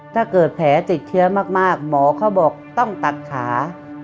ถ้าเกิดแผลติดเชื้อมากหมอเขาบอกต้องตัดขา